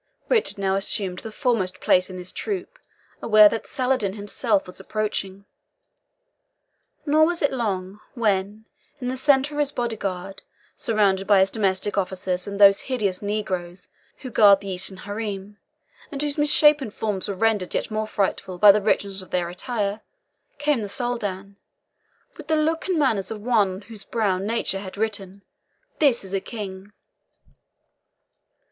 Richard now assumed the foremost place in his troop, aware that Saladin himself was approaching. Nor was it long when, in the centre of his bodyguard, surrounded by his domestic officers and those hideous negroes who guard the Eastern haram, and whose misshapen forms were rendered yet more frightful by the richness of their attire, came the Soldan, with the look and manners of one on whose brow Nature had written, This is a King!